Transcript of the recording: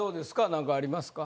なんかありますか？